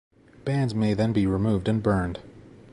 Bands may then be removed and burned.